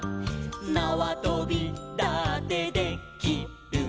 「なわとびだってで・き・る」